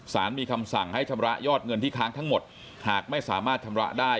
มีคำสั่งให้ชำระยอดเงินที่ค้างทั้งหมดหากไม่สามารถชำระได้